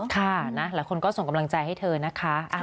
ค่ะนะหลายคนก็ส่งกำลังใจให้เธอนะคะ